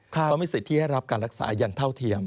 เขามีสิทธิ์ที่ให้รับการรักษาอย่างเท่าเทียม